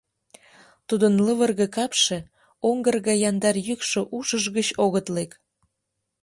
Тудын лывырге капше, оҥгыр гай яндар йӱкшӧ ушыж гыч огыт лек.